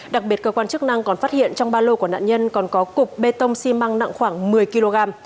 đặc biệt cơ quan chức năng còn phát hiện trong ba lô của nạn nhân còn có cục bê tông xi măng nặng khoảng một mươi kg